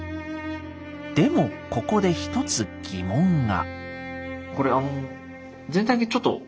でもここで１つ疑問が。